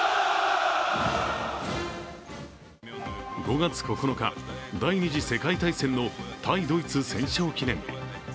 ５月９日、第二次世界大戦の対ドイツ戦勝記念日。